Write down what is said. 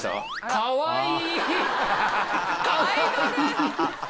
かわいい。